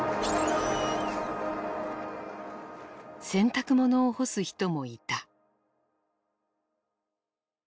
洗濯物を干す人もいた。